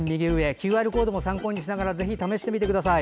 ＱＲコードを参考にしながらぜひ試してみてください。